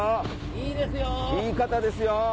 いいカタですよ！